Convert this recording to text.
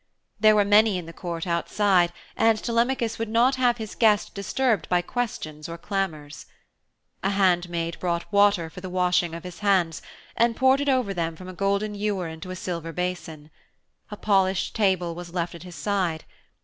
There were many in the court outside and Telemachus would not have his guest disturbed by questions or clamours. A handmaid brought water for the washing of his hands, and poured it over them from a golden ewer into a silver basin. A polished table was left at his side.